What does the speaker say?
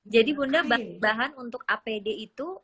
jadi bunda bahan untuk apd itu